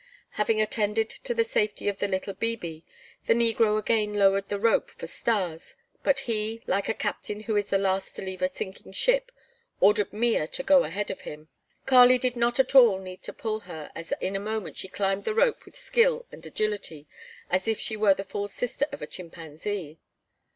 Having attended to the safety of the little "bibi," the negro again lowered the rope for Stas, but he, like a captain who is the last to leave a sinking ship, ordered Mea to go ahead of him. Kali did not at all need to pull her as in a moment she climbed the rope with skill and agility as if she were the full sister of a chimpanzee.